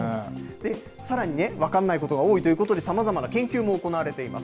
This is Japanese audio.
さらにね、分かんないことが多いということで、さまざまな研究も行われています。